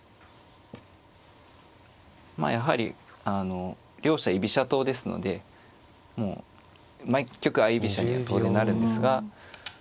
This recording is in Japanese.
まあやはり両者居飛車党ですのでもう毎局相居飛車には当然なるんですが。